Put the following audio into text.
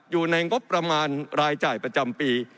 อยู่ในงบประมาณรายจ่ายประจำปี